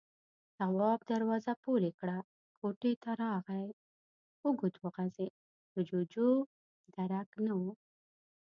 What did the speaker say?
تواب دروازه پورې کړه، کوټې ته راغی، اوږد وغځېد، د جُوجُو درک نه و.